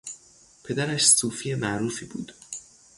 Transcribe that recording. پدرش صوفی معروفی بود.